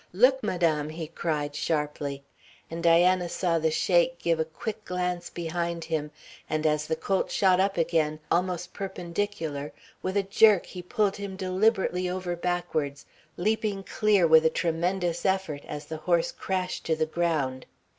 "Look, Madame!" he cried sharply, and Diana saw the Sheik give a quick glance behind him, and, as the colt shot up again, almost perpendicular, with a jerk he pulled him deliberately over backwards, leaping clear with a tremendous effort as the horse crashed to the ground.